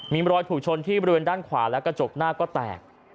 มีรอยถูกชนที่บริเวณด้านขวาและกระจกหน้าก็แตก